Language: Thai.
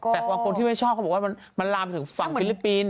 แต่คนที่ไม่ชอบเขามันลามถึงฝั่งฟิลิปปีน